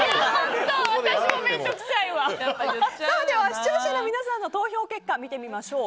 視聴者の皆さんの投票結果、見てみましょう。